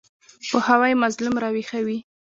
پوهاوی مظلوم راویښوي.